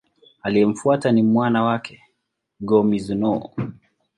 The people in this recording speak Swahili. Aliyemfuata ni mwana wake, Go-Mizunoo.